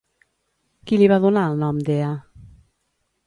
Qui li va donar el nom d'Ea?